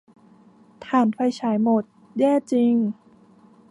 ถ่านไฟฉายหมด แย่จริง